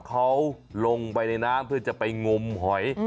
เขาลงไปในน้ำเพื่อจะไปงมหอย